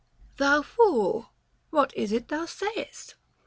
Thou fool, what is it thou sayest?